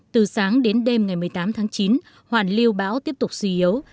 từ sáng đến đêm ngày một mươi tám tháng chín hoàn lưu bão tiếp tục suy yếu